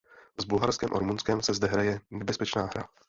S Bulharskem a Rumunskem se zde hraje nebezpečná hra.